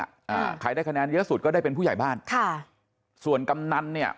อ่าใครได้คะแนนเยอะสุดก็ได้เป็นผู้ใหญ่บ้านค่ะส่วนกำนันเนี่ย